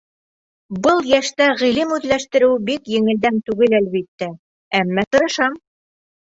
Был йәштә ғилем үҙләштереү бик еңелдән түгел, әлбиттә, әммә тырышам.